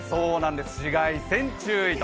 紫外線注意と。